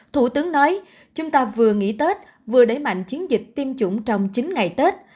thủ tướng nói chúng ta vừa nghỉ tết vừa đẩy mạnh chiến dịch tiêm chủng trong chín ngày tết